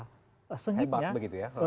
hebat begitu ya